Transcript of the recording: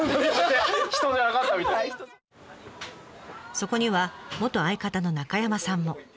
そこには元相方の中山さんも。